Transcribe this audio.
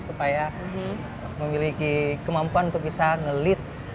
supaya memiliki kemampuan untuk bisa ngelit